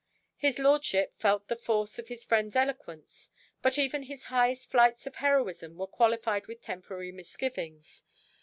His lordship felt the force of his friend's eloquence, but even his highest flights of heroism were qualified with temporary misgivings.